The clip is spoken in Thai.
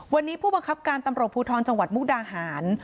วันนี้ผู้บังคับการตำรวจภูทรจังหวัดมุกดาหาร